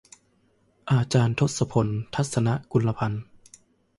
อาจารย์ทศพล ทรรศนกุลพันธ์